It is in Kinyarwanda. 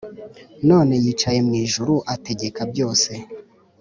none yicaye mu ijuru ategeka byose